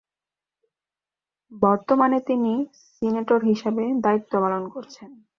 বর্তমানে তিনি সিনেটর হিসাবে দায়িত্ব পালন করছেন।